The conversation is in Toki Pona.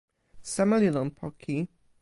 seme li lon poki?